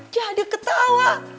ya dia ketawa